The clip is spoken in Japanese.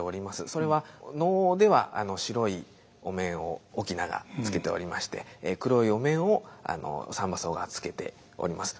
それは能では白いお面を翁がつけておりまして黒いお面を三番叟がつけております。